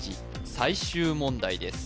最終問題です